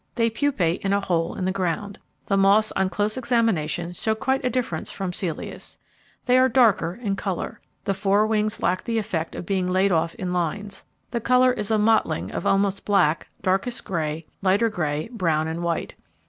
They pupate in a hole in the ground. The moths on close examination show quite a difference from Celeus. They are darker in colour. The fore wings lack the effect of being laid off in lines. The colour is a mottling of almost black, darkest grey, lighter grey, brown, and white.